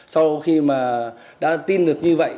sau khi mà đã tin được như vậy